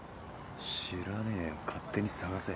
知らねえよ勝手に捜せ。